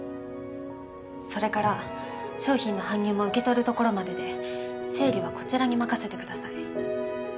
それから商品の搬入も受け取るところまでで整理はこちらに任せてください。